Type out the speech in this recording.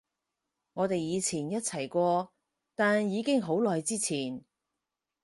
我哋以前一齊過，但已經好耐之前